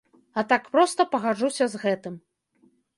А так проста пагаджуся з гэтым.